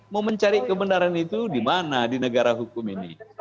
mau mencari kebenaran itu di mana di negara hukum ini